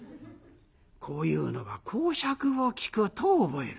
こういうのは講釈を聴くと覚える。